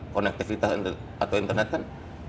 konektivitas atau internet kan